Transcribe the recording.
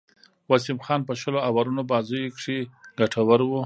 وسیم خان په شلو آورونو بازيو کښي ګټور وو.